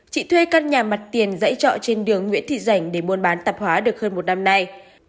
chị thuê các nhà mặt tiền dãy trọ trên đường nguyễn thị giành để muôn bán tạp hóa được hơn một năm nay